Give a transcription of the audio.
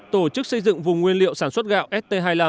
tổ chức xây dựng vùng nguyên liệu sản xuất gạo st hai mươi năm